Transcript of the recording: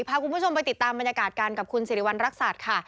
พาคุณผู้ชมไปติดตามบรรยากาศกันกับคุณสิริวัณรักษัตริย์ค่ะ